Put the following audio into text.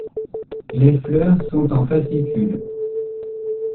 Les fleurs sont en fascicules.